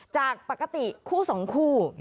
จากปกติคู่สองคู่